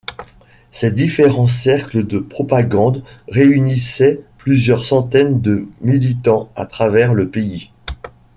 Ces différents cercles de propagande réunissaient plusieurs centaines de militants à travers le pays.